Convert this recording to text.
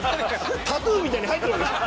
タトゥーみたいに入ってるでしょ。